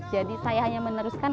jadi saya hanya meneruskan